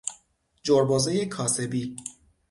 جربزهی کاسبی